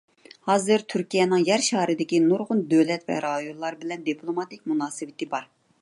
ھازىر تۈركىيەنىڭ يەر شارىدىكى نۇرغۇن دۆلەت ۋە رايونلار بىلەن دىپلوماتىك مۇناسىۋىتى بار.